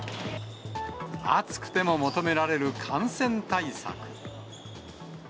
暑くても求められる感染対策。